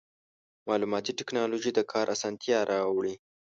مالوماتي ټکنالوژي د کار اسانتیا راوړي.